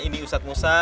ini ustadz musa